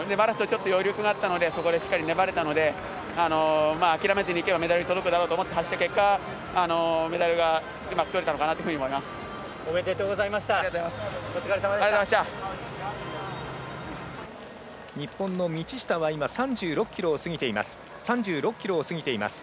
余力があったのでそこで粘れたので諦めずにいけばメダルに届くだろうと思って走った結果メダルがうまく取れたのかなおめでとうございました！